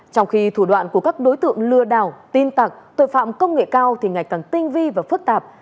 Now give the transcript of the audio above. trong khi thủ đoạn của các đối tượng lừa đảo tin tặc tội phạm công nghệ cao thì ngày càng tinh vi và phức tạp